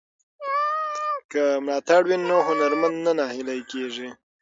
که ملاتړ وي نو هنرمند نه نهیلی کیږي.